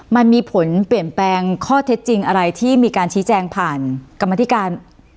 มันมีผลเปลี่ยนแปลงข้อเท็จจริงอะไรที่มีการชี้แจงผ่านกรรมธิการ